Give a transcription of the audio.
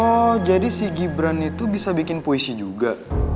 oh jadi si gibran itu bisa bikin puisi juga